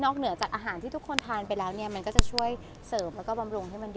คือมันก็ยังโอเคอยู่อะ